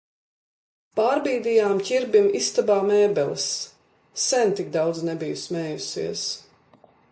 Pārbīdījām Ķirbim istabā mēbeles, sen tik daudz nebiju smējusies.